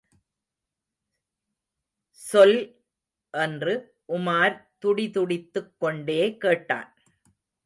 சொல்? என்று உமார் துடிதுடித்துக் கொண்டே கேட்டான்.